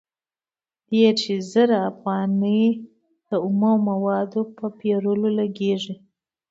دېرش زره افغانۍ د اومه موادو په پېرلو لګېږي